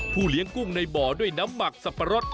เลี้ยงกุ้งในบ่อด้วยน้ำหมักสับปะรด